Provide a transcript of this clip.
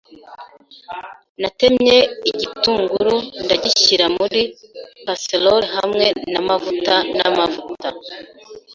Natemye igitunguru ndagishyira muri casserole hamwe namavuta namavuta.